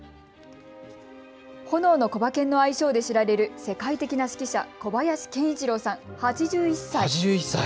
炎のコバケンの愛称で知られる世界的な指揮者、小林研一郎さん、８１歳。